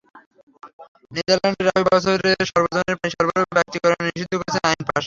নেদারল্যান্ডসও একই বছর সর্বজনের পানি সরবরাহ ব্যক্তীকরণ নিষিদ্ধ করে আইন পাস করে।